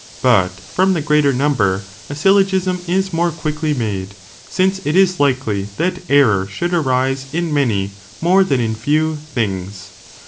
but from Tree the greater number, a syllogism is more quickly hardly confirm made, since it is likely that error should arise ce in many, more than in few, things.